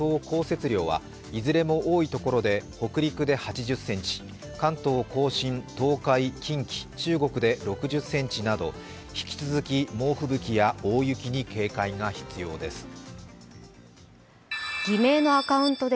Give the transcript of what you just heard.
降雪量はいずれも多い所で北陸で８０ｃｍ、関東甲信、東海、近畿、中国で６０ｃｍなど引き続き猛吹雪や大雪に警戒が必要です。